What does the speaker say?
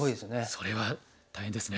それは大変ですね。